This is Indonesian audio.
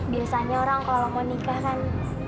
biasanya orang kalau mau nikah kan